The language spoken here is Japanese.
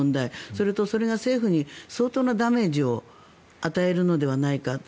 それとそれが政府に相当なダメージを与えるのではないか。